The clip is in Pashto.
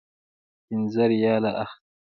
پنځه ریاله اخلي.